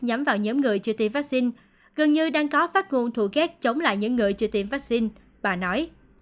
nhắm vào nhóm người chưa tiêm vaccine gần như đang có phát ngôn thủ ghét chống lại những người chưa tiêm vaccine bà nói